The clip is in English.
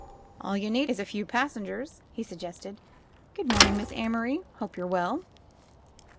All you need is a few passengers!" he suggested. Morning, Miss Amory! Hope youVe well?"